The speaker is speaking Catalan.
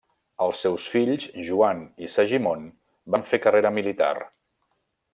Els seus fills Joan i Segimon van fer carrera militar.